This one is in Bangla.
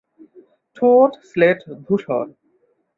ঠোঁট স্লেট ধূসর।